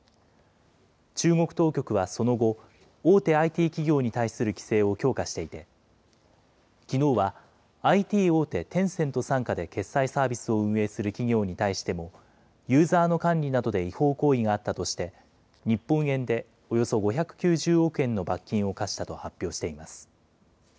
中国当局はその後、大手ＩＴ企業に対する規制を強化していて、きのうはＩＴ大手、テンセント傘下で決済サービスを運営する企業に対しても、ユーザーの管理などで違法行為があったとして、日本円でおよそ５９０億円の罰金を科したと発表しています。